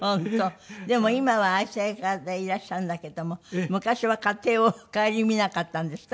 でも今は愛妻家でいらっしゃるんだけども昔は家庭を省みなかったんですって？